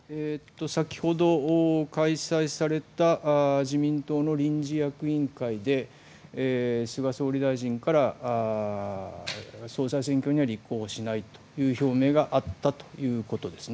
先ほど開催された自民党の臨時役員会で菅総理大臣から総裁選挙には立候補しないという表明があったということです。